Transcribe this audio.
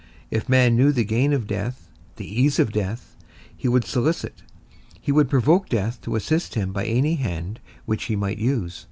If man knew the gain of death, the ease of death, he would solicit, he would provoke death to assist him by any hand which he might use.